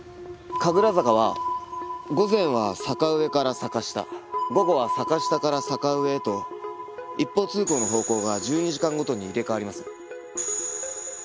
神楽坂は午前は坂上から坂下午後は坂下から坂上へと一方通行の方向が１２時間ごとに入れ替わります。